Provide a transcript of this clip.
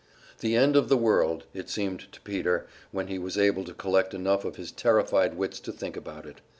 The end of the world, it seemed to Peter, when he was able to collect enough of his terrified wits to think about it.